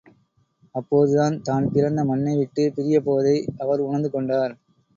அப்போதுதான் தான் பிறந்த மண்ணை விட்டுப் பிரியப் போவதை அவர் உணர்ந்து கொண்டார்.